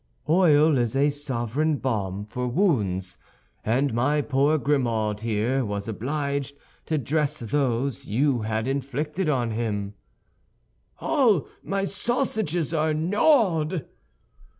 "Oil is a sovereign balm for wounds; and my poor Grimaud here was obliged to dress those you had inflicted on him." "All my sausages are gnawed!"